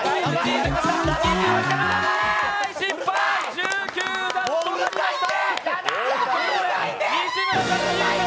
失敗、１９段となりました。